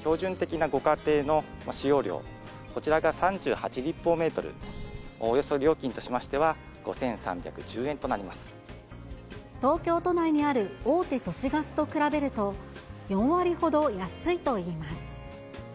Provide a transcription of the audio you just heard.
標準的なご家庭の使用量、こちらが３８立方メートル、およそ料金としましては、東京都内にある大手都市ガスと比べると、４割ほど安いといいます。